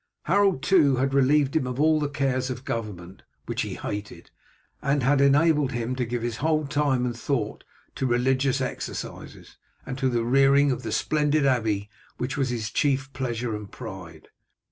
Harold too had relieved him of all the cares of government, which he hated, and had enabled him to give his whole time and thought to religious exercises, and to the rearing of the splendid abbey which was his chief pleasure and pride.